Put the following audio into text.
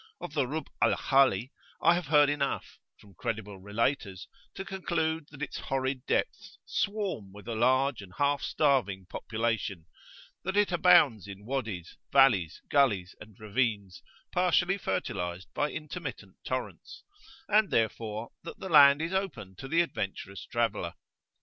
Of the Rub'a al Khali I have heard enough, from credible relators, to conclude that its horrid depths swarm with a large and half starving population; that it abounds in Wadys, valleys, gullies and ravines, partially fertilised by intermittent torrents; and, therefore, that the land is open to the adventurous traveller.